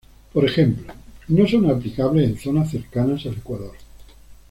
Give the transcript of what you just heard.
Por ejemplo, no son aplicables en zonas cercanas al ecuador.